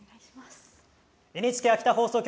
ＮＨＫ秋田放送局